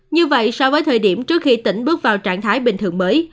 như vậy so với thời điểm trước khi tỉnh bước vào trạng thái bình thường mới